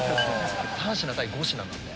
３品対５品なんで。